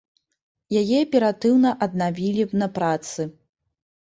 Яе аператыўна аднавілі на працы.